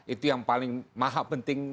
itu yang paling maha penting